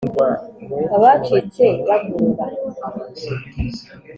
Abacitse bamurora